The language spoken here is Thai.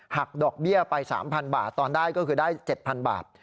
ดอกเบี้ยไป๓๐๐บาทตอนได้ก็คือได้๗๐๐บาท